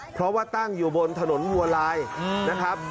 เพราะว่าตั้งอยู่บนถนนวัวลายนะครับ